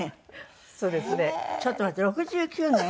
ちょっと待って６９年？